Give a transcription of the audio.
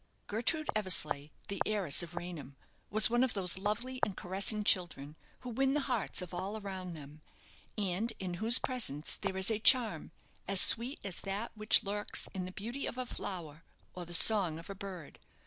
Gertrude Eversleigh, the heiress of Raynham, was one of those lovely and caressing children who win the hearts of all around them, and in whose presence there is a charm as sweet as that which lurks in the beauty of a flower or the song of a bird.